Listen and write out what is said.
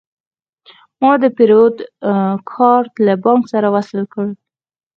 ما د پیرود کارت له بانک سره وصل کړ.